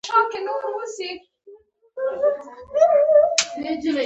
جانداد د زړونو نږدېوالی جوړوي.